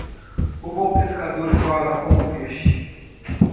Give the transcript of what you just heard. O bom pescador fala com o peixe.